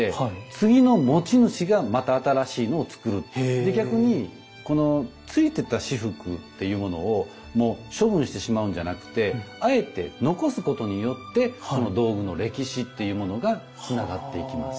で逆にこの付いてた仕覆っていうものを処分してしまうんじゃなくてあえて残すことによってその道具の歴史というものがつながっていきます。